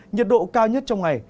nhiệt độ cao nhất trong ngày